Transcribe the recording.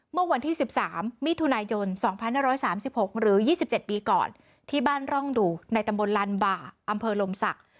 เมื่อวันที่๑๓มิถุนายน๒๕๓๖หรือ๒๗ปีก่อนที่บ้านร่องดูในตำบลลันบ่าอำเภอลมศักดิ์